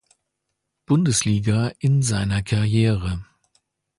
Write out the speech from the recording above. Bundesliga in seiner Karriere.